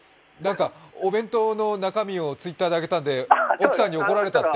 お弁当の中身をＴｗｉｔｔｅｒに上げたんで奥さんに怒られたって？